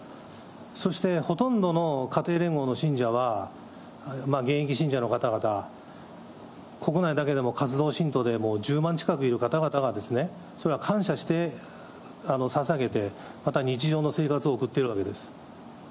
そしてほとんどの家庭連合の信者は、現役信者の方々、国内だけでも活動信徒でも１０万近くいる方々が、それは感謝してささげて、また日常の生活を送っているわけです。